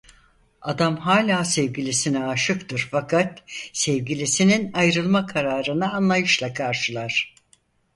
Adam hala sevgilisine aşıktır fakat sevgilisinin ayrılma kararını anlayışla karşılar.